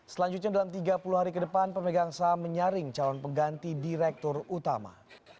selanjutnya dalam tiga puluh hari ke depan pemegang saham menyaring calon pengganti direktur utama